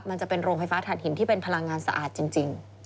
มันจะเป็นโรงไฟฟ้าถ่านหินที่เป็นพลังงานสะอาดจริง